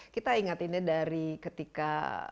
kita ingatinya dari ketika